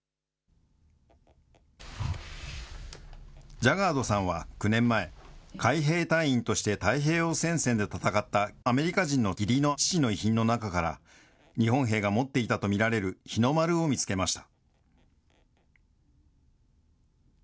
ジャガードさんは９年前、海兵隊員として太平洋戦線で戦ったアメリカ人の義理の父の遺品の中から、日本兵が持っていたと見られる日の丸を見つけました。